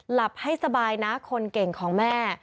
หลับให้สบายนะคนเก่งของแม่